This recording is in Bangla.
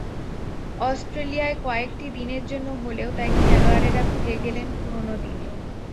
অস্ট্রেলিয়ায় কয়েকটি দিনের জন্য হলেও তাই খেলোয়াড়েরা ফিরে গেলেন পুরোনো দিনে।